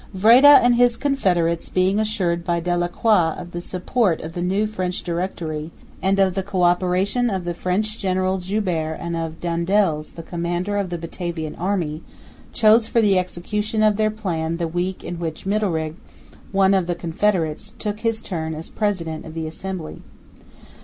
Vreede and his confederates being assured by Delacroix of the supportof the new French Directory, and of the co operation of the French General Joubert and of Daendels, the commander of the Batavian army, chose for the execution of their plan the week in which Midderigh, one of the confederates, took his turn as president of the Assembly.